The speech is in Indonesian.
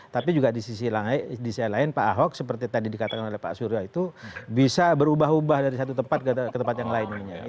tapi juga di sisi lain pak ahok seperti tadi dikatakan oleh pak surya itu bisa berubah ubah dari satu tempat ke tempat yang lainnya